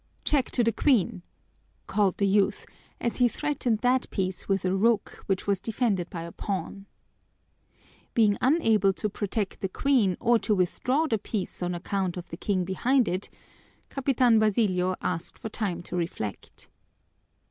"Check to the queen!" called the youth as he threatened that piece with a rook which was defended by a pawn. Being unable to protect the queen or to withdraw the piece on account of the king behind it, Capitan Basilio asked for time to reflect.